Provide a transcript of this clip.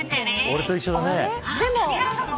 俺と一緒だね。